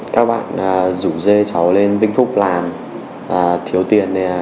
các bạn rủ dê cháu lên vinh phúc làm thiếu tiền này